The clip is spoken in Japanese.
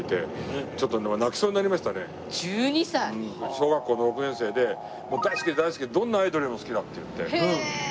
小学校６年生で大好きで大好きでどんなアイドルよりも好きだって言って。